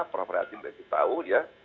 prof hati berarti tahu ya